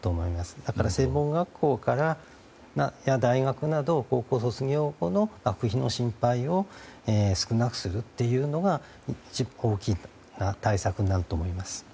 だから、専門学校や大学など高校卒業後の学費の心配を少なくするというのが大きい対策になると思います。